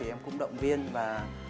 em cũng động viên và